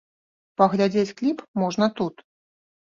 Паглядзець кліп можна тут.